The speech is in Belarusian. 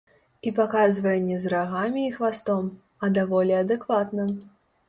І паказвае не з рагамі і хвастом, а даволі адэкватна.